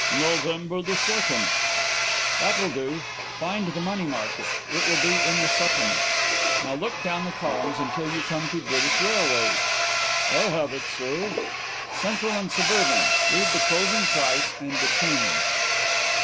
"November the second." "That will do. Find the Money Market; it will be in the Supplement. Now look down the columns until you come to British Railways." "I have it, sir." "Central and Suburban. Read the closing price and the change."